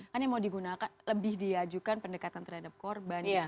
kan yang mau digunakan lebih diajukan pendekatan terhadap korban